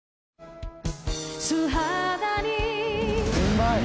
うまい。